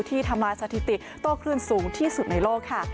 ทำลายสถิติโต้คลื่นสูงที่สุดในโลกค่ะ